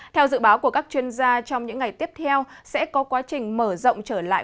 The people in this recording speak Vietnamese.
theo dự báo của các chuyên gia trong những ngày tiếp theo sẽ có quá trình mở rộng trở lại